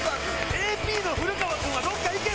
ＡＰの古川君はどっか行け！